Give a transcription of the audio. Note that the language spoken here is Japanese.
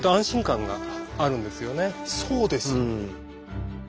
そうです。